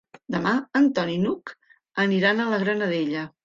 Demà en Ton i n'Hug aniran a la Granadella.